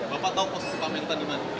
bapak tau posisi pak mentang dimana